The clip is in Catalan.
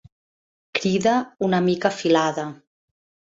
Crida una mica afilada.